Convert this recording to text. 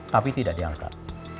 tapi tidak diangkat